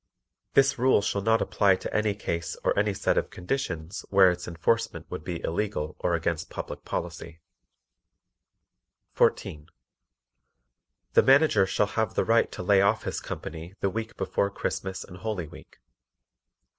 This rule shall not apply to any case or any set of conditions where its enforcement would be illegal or against public policy. 14. The Manager shall have the right to lay off his company the week before Christmas and Holy Week.